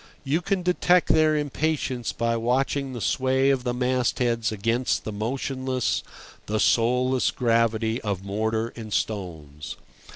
You can detect their impatience by watching the sway of the mastheads against the motionless, the soulless gravity of mortar and stones.